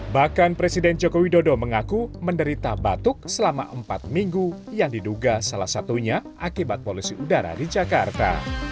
bahkan presiden joko widodo mengaku menderita batuk selama empat minggu yang diduga salah satunya akibat polusi udara di jakarta